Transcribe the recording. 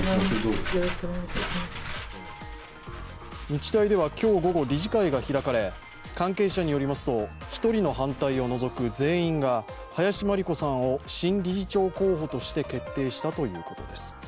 日大では今日午後理事会が開かれ、関係者によりますと、１人の反対を除く全員が林真理子さんを新理事長候補として決定したということです。